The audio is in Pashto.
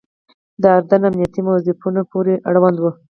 د اردن امنیتي موظفینو پورې اړوند وو.